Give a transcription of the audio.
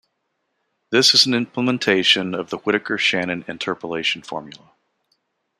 This is an implementation of the Whittaker-Shannon interpolation formula.